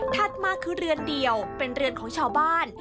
มาคือเรือนเดียวเป็นเรือนของชาวบ้าน